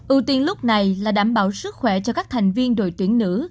hiện lúc này là đảm bảo sức khỏe cho các thành viên đội tuyển nữ